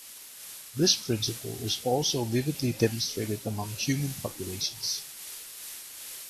This principle is also vividly demonstrated among human populations.